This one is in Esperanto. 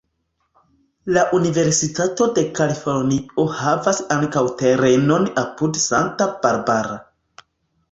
La Universitato de Kalifornio havas ankaŭ terenon apud Santa Barbara.